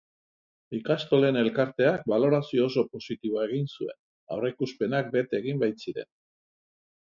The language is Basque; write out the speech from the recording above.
Ikastolen elkarteak balorazio oso positiboa egin zuen, aurreikuspenak bete egin baitziren.